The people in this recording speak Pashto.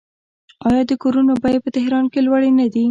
آیا د کورونو بیې په تهران کې لوړې نه دي؟